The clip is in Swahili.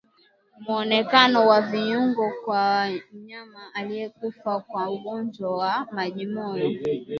Muonekano wa viungo kwa mnyama aliyekufa kwa ugonjwa wa majimoyo